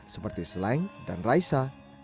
seperti slang dan raisa